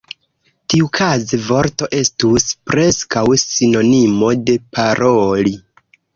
Tiukaze "vorto" estus preskaŭ sinonimo de "paroli".